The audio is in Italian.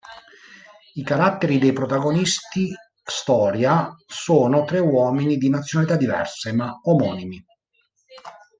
I caratteri dei protagonisti storia sono tre uomini di nazionalità diverse, ma omonimi.